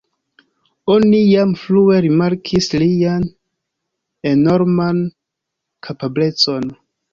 Oni jam frue rimarkis lian enorman kapablecon.